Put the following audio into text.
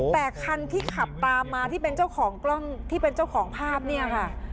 แต่คันที่ขับตามมาที่เป็นเจ้าของภาพนี่ค่ะ